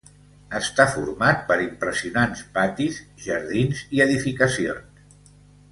Està format per impressionants patis, jardins i edificacions.